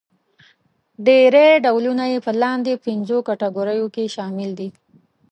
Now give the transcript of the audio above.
ډېری ډولونه يې په لاندې پنځو کټګوریو کې شامل دي.